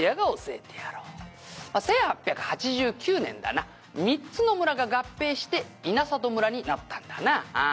「まあ１８８９年だな３つの村が合併して稲里村になったんだなああ」